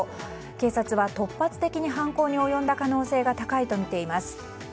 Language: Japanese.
警察は突発的に犯行に及んだ可能性が高いとみています。